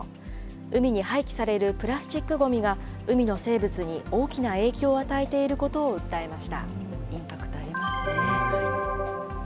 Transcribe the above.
海に廃棄されるプラスチックごみが海の生物に大きな影響を与えてインパクトありますね。